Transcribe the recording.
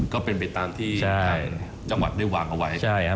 ก็เป็นไปตามที่จังหวัดได้วางเอาไว้นะฮะใช่ครับ